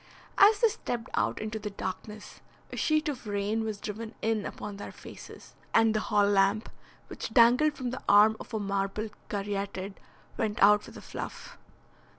As they stepped out into the darkness, a sheet of rain was driven in upon their faces, and the hall lamp, which dangled from the arm of a marble caryatid, went out with a fluff.